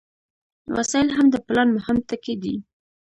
وسایل هم د پلان مهم ټکي دي.